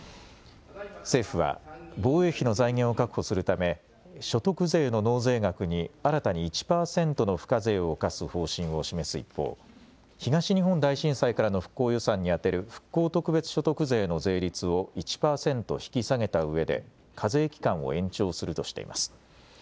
政府は防衛費の財源を確保するため所得税の納税額に新たに１％の付加税を課す方針を示す一方、東日本大震災からの復興予算に充てる復興特別所得税の税率を１％引き下げたうえで課税期間を延長するとしています。